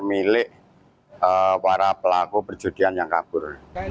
milik para pelaku perjudian yang kabur